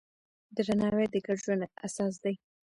درناوی د ګډ ژوند اساس دی.